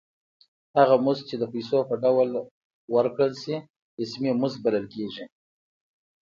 هغه مزد چې د پیسو په ډول ورکړل شي اسمي مزد بلل کېږي